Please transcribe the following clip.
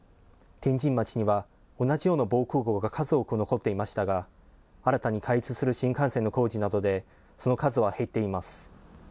天神町には同じような防空ごうが数多く残っていましたが、新たに開通する新幹線の工事などで、その数は減っています。